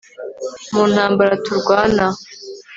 Mu ntambara turwana